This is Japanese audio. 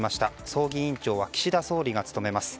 葬儀委員長は岸田総理が務めます。